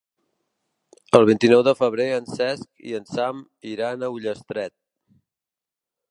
El vint-i-nou de febrer en Cesc i en Sam iran a Ullastret.